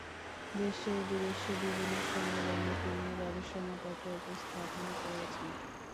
দেশে-বিদেশে বিভিন্ন সম্মেলনে তিনি গবেষণাপত্র উপস্থাপন করেছেন।